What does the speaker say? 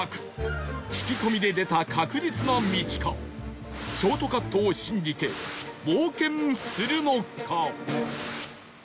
聞き込みで出た確実な道かショートカットを信じて冒険するのか？